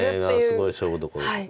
すごい勝負どころで。